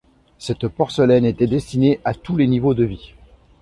Cette porcelaine était destinée à tous les niveaux de vie.